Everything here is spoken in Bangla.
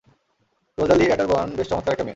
রোজ্যালি অট্যারবোর্ন বেশ চমৎকার একটা মেয়ে!